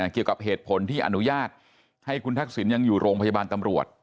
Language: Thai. เกี่ยวกับเหตุผลที่อนุญาตให้คุณทักษิณยังอยู่โรงพยาบาลตำรวจ